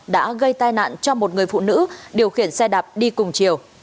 đã gây tai nạn cho một người phụ nữ điều khiển xe đạp đi cùng chiều